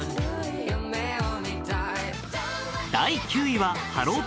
第９位はハロー！